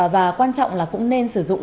và quan trọng là cũng nên sử dụng